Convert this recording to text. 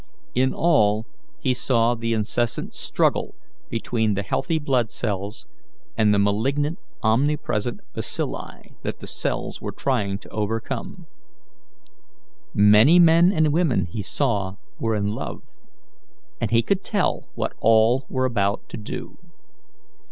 In all, he saw the incessant struggle between the healthy blood cells and the malignant, omnipresent bacilli that the cells were trying to overcome. Many men and women he saw were in love, and he could tell what all were about to do.